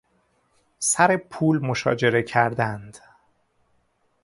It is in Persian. سر پول مشاجره کردند.